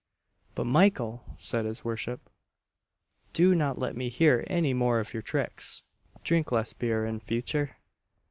"But, Michael," said his worship, "do not let me hear any more of your tricks; drink less beer in future."